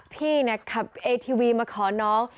พี่ขับเอทีวีมาขอน้อง